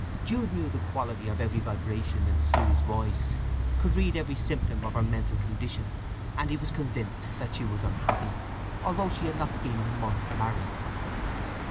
Jude knew the quality of every vibration in Sue's voice, could read every symptom of her mental condition; and he was convinced that she was unhappy, although she had not been a month married.